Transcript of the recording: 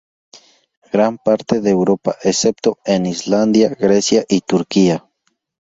Gran parte de Europa, excepto en Islandia, Grecia y Turquía.